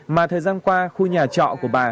mà thời gian qua khu nhà trọ của bà